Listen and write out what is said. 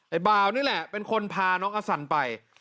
บ่าวนี่แหละเป็นคนพาน้องอสันไป